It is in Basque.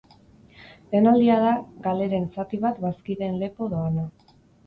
Lehen aldia da galeren zati bat bazkideen lepo doana.